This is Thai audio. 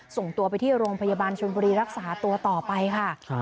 ส่งตัวไปที่โรงพยาบาลชนบุรีรักษาตัวต่อไปค่ะ